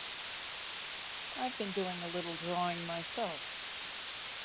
I've been doing a little drawing myself.